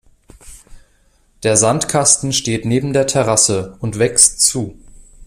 Der Sandkasten steht neben der Terrasse und wächst zu.